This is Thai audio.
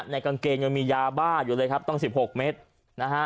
กางเกงยังมียาบ้าอยู่เลยครับต้อง๑๖เมตรนะฮะ